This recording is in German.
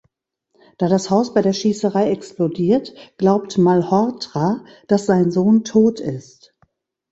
Da das Haus bei der Schießerei explodiert, glaubt Malhotra, dass sein Sohn tot ist.